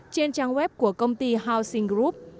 trên trang web của công ty housing group